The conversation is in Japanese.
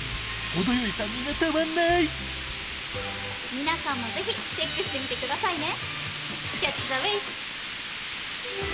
皆さんもぜひチェックしてみてくださいね。